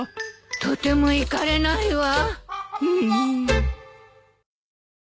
とても行かれないわ。